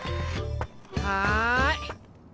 はい。